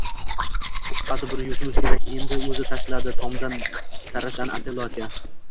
Qisqasi buni yuvishimiz kerak, endi o`zi tashladi tomdan tarashani Otello aka